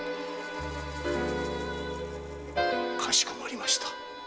かしこまりました。